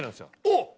おっ！